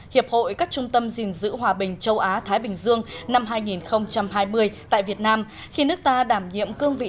hiệp hội các trung tâm gìn giữ hòa bình châu á thái bình dương năm hai nghìn hai mươi tại việt nam khi nước ta đảm nhiệm cương vị